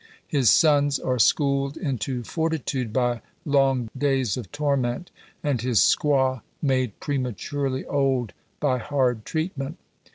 His sons are schooled into fortitude by long days of torment, and his squaw made prematurely old by hard treatment.